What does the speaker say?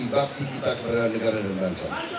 bakti kita kepada negara dan bangsa